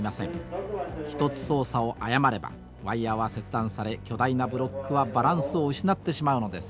一つ操作を誤ればワイヤーは切断され巨大なブロックはバランスを失ってしまうのです。